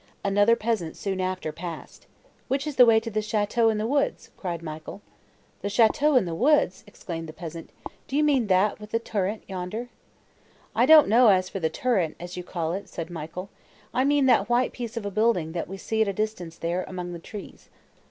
Another peasant soon after passed. "Which is the way to the château in the woods?" cried Michael. "The château in the woods!" exclaimed the peasant—"Do you mean that with the turret, yonder?" "I don't know as for the turret, as you call it," said Michael, "I mean that white piece of a building, that we see at a distance there, among the trees."